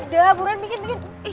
nggak buruan bikin